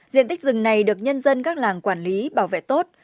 diện tích rừng này được nhân dân các làng quản lý bảo vệ tốt